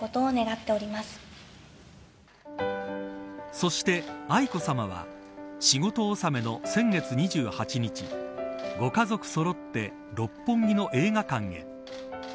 そして、愛子さまは仕事納めの先月２８日ご家族そろって六本木の映画館へ。